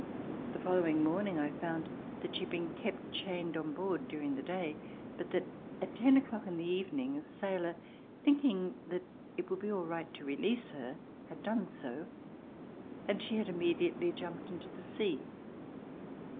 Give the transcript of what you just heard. The following morning, I found that she had been kept chained on board during the day, hut that at ten o'clock in the evening, the sailor thinking that it would be all right to release her, iiad done so, and she had immediately jumped into the sea.